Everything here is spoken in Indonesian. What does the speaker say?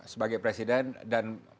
sebagai presiden dan